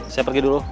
saya pergi dulu